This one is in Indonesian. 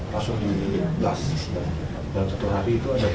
dan setelah itu kita bisa menggunakan sms